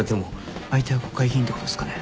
相手は国会議員ってことっすかね？